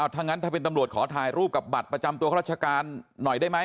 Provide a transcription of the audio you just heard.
ถ้างั้นถ้าเป็นตำรวจขอถ่ายรูปกับบัตรประจำตัวข้าราชการหน่อยได้ไหม